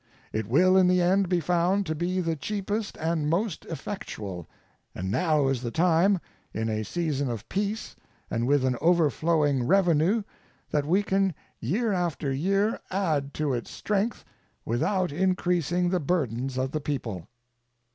It will in the end be found to be the cheapest and most effectual, and now is the time, in a season of peace and with an overflowing revenue, that we can year after year add to its strength without increasing the burdens of the people.